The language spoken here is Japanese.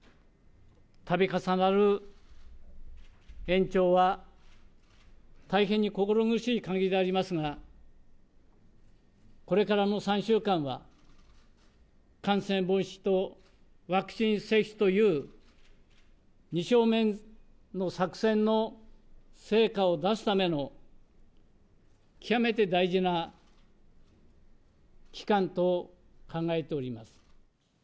たび重なる延長は、大変に心苦しい限りでありますが、これからの３週間は、感染防止とワクチン接種という二正面の作戦の成果を出すための、極めて大事な期間と考えております。